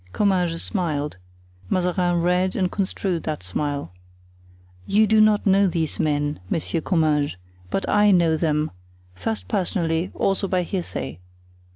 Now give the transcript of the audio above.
Comminges smiled; Mazarin read and construed that smile. "You do not know these men, Monsieur Comminges, but I know them, first personally, also by hearsay.